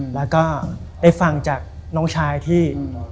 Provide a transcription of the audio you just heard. แล้วก็ได้ฟังจากน้องชายที่